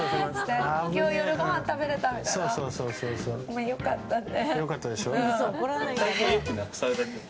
まあ、良かったね。